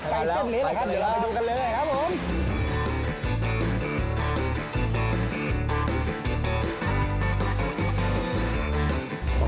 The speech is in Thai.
ไปเส้นนี้เลยครับเดี๋ยวไปดูกันเลยครับผม